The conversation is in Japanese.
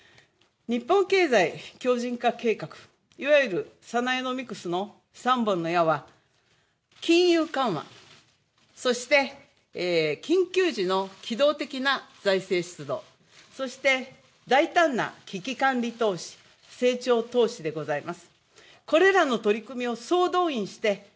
日本経済強じん化計画、いわゆる、サナエノミクスの３本の矢は、金融緩和、そして、緊急時の機動的な財政出動、そして大胆な危機管理投資、成長投資でございます。